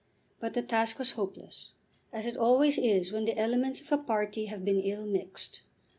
But the task was hopeless, as it always is when the elements of a party have been ill mixed.